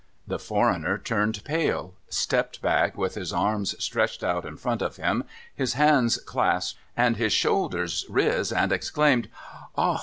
' The foreigner turned pale, stepped back with his arms stretched out in front of him, his hands clasped, and his shoulders riz, and exclaimed: * Ah